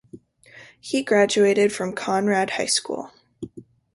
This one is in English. He graduated from Conard High School.